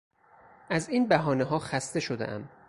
از این بهانهها خسته شدهام.